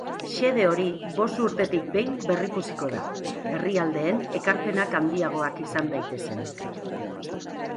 Xede hori bost urtetik behin berrikusiko da, herrialdeen ekarpenak handiagoak izan daitezen.